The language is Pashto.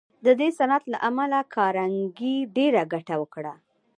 د دې صنعت له امله کارنګي ډېره ګټه وکړه